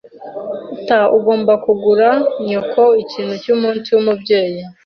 [T] Ugomba kugura nyoko ikintu cyumunsi wumubyeyi.